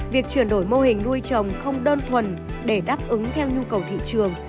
việc chuyển đổi mô hình nuôi trồng không đơn thuần để đáp ứng theo nhu cầu thị trường